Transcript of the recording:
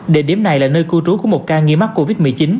địa điểm này là nơi cư trú của một ca nghi mắc covid một mươi chín